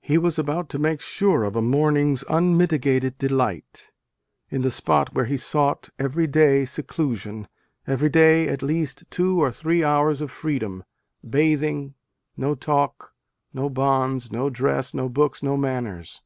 He was about to make sure of a morning s unmitigated delight, in the spot where he sought, " every day, seclusion every day at least two or three hours of freedom, bathing, no talk, no bonds, no dress, no books, no manners."